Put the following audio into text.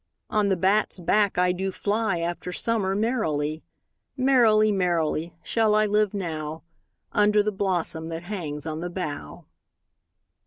On the bat's back I do fly After summer merrily: 5 Merrily, merrily, shall I live now, Under the blossom that hangs on the bough.